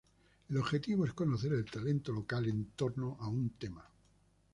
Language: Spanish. El objetivo es conocer el talento local en torno a un tema.